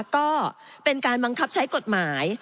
ก็เป็นการบังคับใช้กฎหมาย